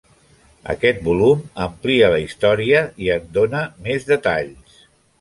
Aquest volum amplia la història i en dóna més detalls.